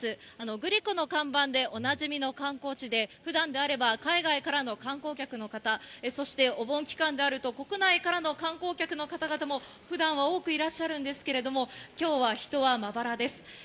グリコの看板でおなじみの観光地で、普段であれば海外からの観光客の方、そしてお盆期間であると国内からの観光客の方々も普段は多くいらっしゃるんですけれども、きょうは人はまばらです。